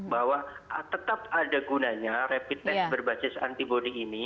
bahwa tetap ada gunanya rapid test berbasis antibody ini